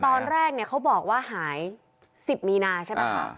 ตอนแรกเนี่ยเขาบอกว่าหาย๑๐มีนาใช่ไหมคะ